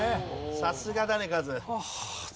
さすがだねカズ。